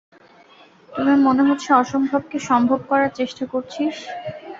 তুই মনে হচ্ছে অসম্ভবকে সম্ভব করার চেষ্টা করছিস।